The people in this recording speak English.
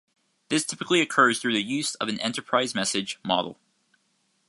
This typically occurs through the use of an enterprise message model.